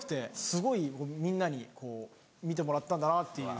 すごいみんなに見てもらったんだなっていう。